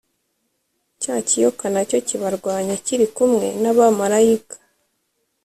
cya kiyoka na cyo kibarwanya kiri kumwe n abamarayika